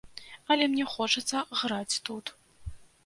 Але мне хочацца граць тут.